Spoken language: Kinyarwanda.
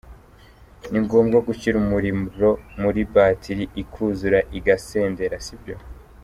Ni ngombwa gushyira umuriro muri batiri ikuzura igasendera: Si byo.